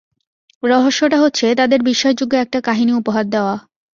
রহস্যটা হচ্ছে তাদের বিশ্বাসযোগ্য একটা কাহিনী উপহার দেওয়া।